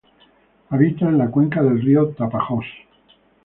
Habita en la cuenca del río Tapajós.